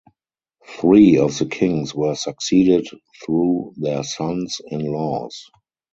Three of the kings were succeeded through their sons-in-laws.